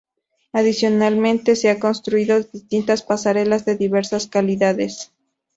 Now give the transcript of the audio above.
Adicionalmente se han construido distintas pasarelas de diversas calidades.